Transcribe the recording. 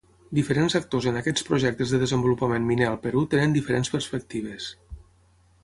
Diferents actors en aquests projectes de desenvolupament miner al Perú tenen diferents perspectives.